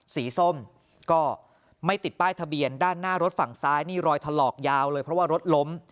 ส้มก็ไม่ติดป้ายทะเบียนด้านหน้ารถฝั่งซ้ายนี่รอยถลอกยาวเลยเพราะว่ารถล้ม